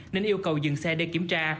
nên yêu cầu dừng xe để kiểm tra